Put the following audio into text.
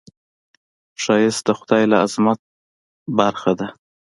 ښایست د خدای له عظمت نه برخه ده